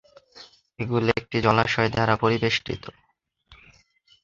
এগুলি একটি জলাশয় দ্বারা পরিবেষ্টিত।